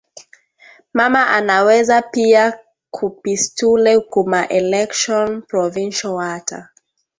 mama anaweza piya ku pistule ku ma election provincial ata